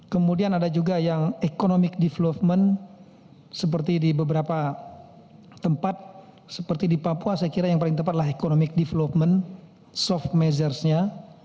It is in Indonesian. kemudian ada juga yang economic development seperti di beberapa tempat seperti di papua saya kira yang paling tepat adalah economic development soft measuresnya